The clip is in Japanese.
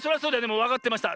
もうわかってました。